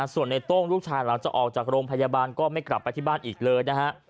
ส่วนในโต้งลูกชายหลังจากออกจากโรงพยาบาลก็ไม่กลับไปที่บ้านอีกเลยนะฮะ